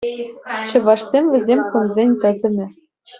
Чӑвашсем вӗсем хунсен тӑсӑмӗ.